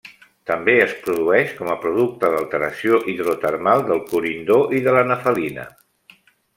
També es produeix com a producte d'alteració hidrotermal del corindó i de la nefelina.